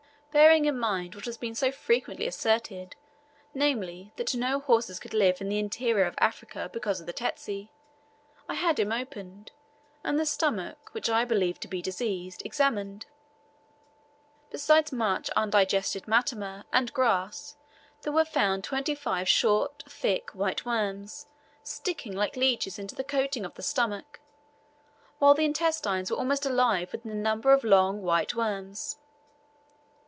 Bearing in mind what has been so frequently asserted, namely, that no horses could live in the interior of Africa because of the tsetse, I had him opened, and the stomach, which I believed to be diseased, examined. Besides much undigested matama and grass there were found twenty five short, thick, white worms, sticking like leeches into the coating of the stomach, while the intestines were almost alive with the numbers of long white worms.